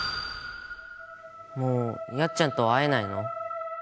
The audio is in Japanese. もうやっちゃんとは会えないの？